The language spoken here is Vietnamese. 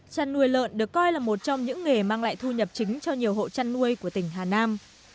chăn nuôi lợn được coi là một trong những nghề mang lại thu nhập chính cho nhiều hộ chăn nuôi của tỉnh hà nam